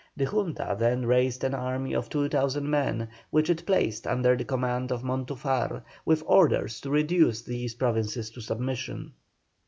The Junta then raised an army of 2,000 men, which it placed under the command of Montufar, with orders to reduce these provinces to submission.